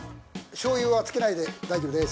醤油はつけないで大丈夫です。